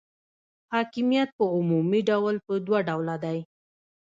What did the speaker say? حاکمیت په عمومي ډول په دوه ډوله دی.